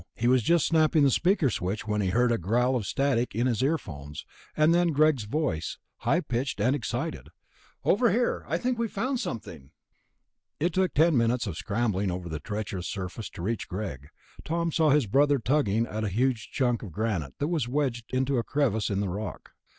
He was just snapping the speaker switch when he heard a growl of static in his earphones, and then Greg's voice, high pitched and excited. "Over here! I think I've found something!" It took ten minutes of scrambling over the treacherous surface to reach Greg. Tom saw his brother tugging at a huge chunk of granite that was wedged into a crevice in the rock.